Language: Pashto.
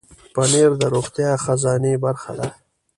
پنېر د روغتیا خزانې برخه ده.